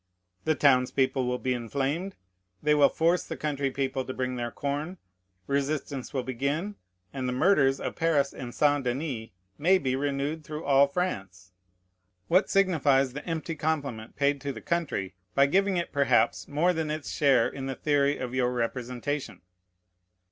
The towns people will be inflamed; they will force the country people to bring their corn. Resistance will begin, and the murders of Paris and St. Denis may be renewed through all France. What signifies the empty compliment paid to the country, by giving it, perhaps, more than its share in the theory of your representation?